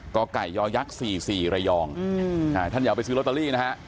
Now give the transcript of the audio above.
กไก่ย๔๔ระยองท่านอย่าเอาไปซื้อลอตเตอรี่นะฮะ